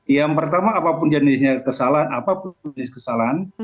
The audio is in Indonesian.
yang pertama apapun jenisnya kesalahan apapun jenis kesalahan